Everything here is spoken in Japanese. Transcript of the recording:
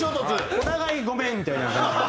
お互い「ごめん」みたいな感じで。